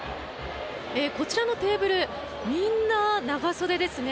こちらのテーブルみんな長袖ですね。